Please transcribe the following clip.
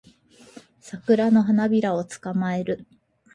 サクラの花びらを捕まえる